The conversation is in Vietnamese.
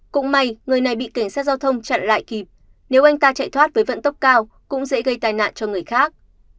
cũng may người này bị cảnh sát giao thông chặn lại kịp nếu anh ta chạy thoát với vận tốc cao cũng dễ gây tai nạn cho người khác